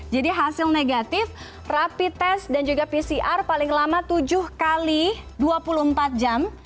jadi hasil negatif rapi tes dan juga pcr paling lama tujuh kali dua puluh empat jam